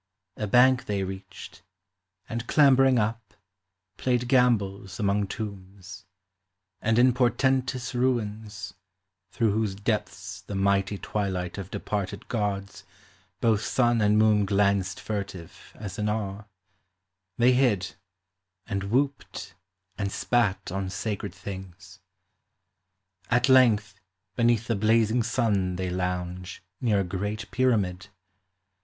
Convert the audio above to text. A bank they reached, And clambering up, played gambols among tombs ; And in portentous ruins (through whose depths, The mighty twilight of departed Gods, Both sun and moon glanced furtive, as in awe) They hid, and whooped, and spat on sacred things. At length, beneath the blazing sun they lounge Near a great Pyramid.